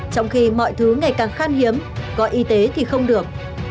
trong khi mọi thứ ngày càng khan hiếm có y tế thì không được